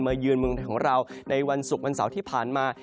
เยือนเมืองไทยของเราในวันศุกร์วันเสาร์ที่ผ่านมา